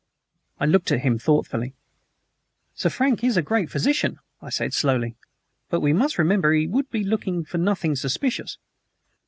I looked at him thoughtfully. "Sir Frank is a great physician," I said slowly; "but we must remember he would be looking for nothing suspicious."